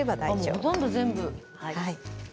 ほとんど全部。